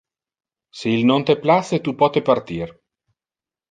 Si il non te place, tu pote partir.